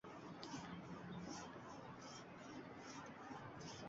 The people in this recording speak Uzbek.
Kichik va o‘rta biznes egalari hamda iqtisodiy mutaxassislik talabalariga o‘qish tavsiya etiladi